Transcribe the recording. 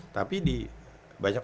tapi di banyak